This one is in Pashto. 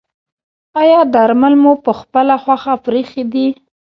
ایا درمل مو پخپله خوښه پریښي دي؟